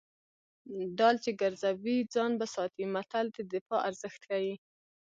ډال چې ګرځوي ځان به ساتي متل د دفاع ارزښت ښيي